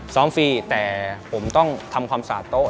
ซ้อมฟรีแต่ผมต้องทำความสาโต๊ะ